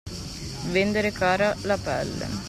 Vendere cara la pelle.